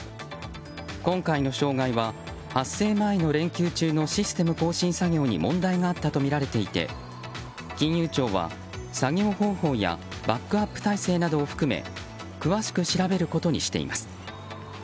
今回の障害は、発生前の連休中のシステム更新作業に問題があったとみられていて金融庁は作業方法やバックアップ態勢などを含め詳しく調べることにしています。